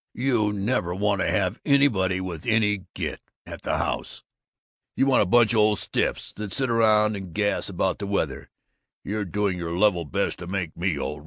You never want to have anybody with any git to 'em at the house; you want a bunch of old stiffs that sit around and gas about the weather. You're doing your level best to make me old.